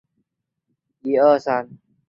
菲茨罗维亚是伦敦最富裕的地区之一。